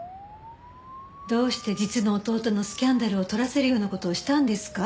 どうして実の弟のスキャンダルを撮らせるような事をしたんですか？